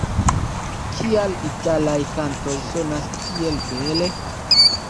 Kial italaj kantoj sonas tiel bele?